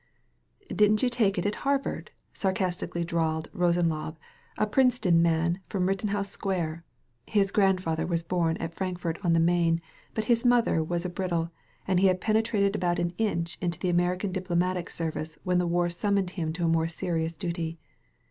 "Didn't you take it at Harvard?" sarcastically drawled Rosenlaube, a Princeton man from Ritten house Square. (His grandfather was born at Frank fort on the Main, but his mother was a Biddle, and he had penetrated about an inch into the Amer ican diplomatic service when the war summoned him to a more serious duly.)